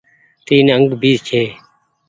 تين انگ ڀي ڇي۔